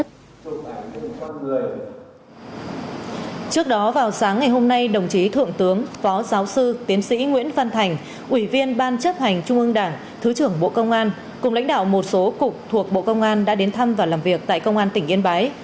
trước đó vào sáng ngày hôm nay đồng chí thượng tướng phó giáo sư tiến sĩ nguyễn phan thành ủy viên ban chấp hành trung ương đảng thứ trưởng bộ công an cùng lãnh đạo một số cục thuộc bộ công an đã đến thăm và làm việc tại công an tỉnh yên bái